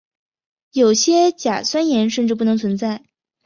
有些甲酸盐甚至不能存在。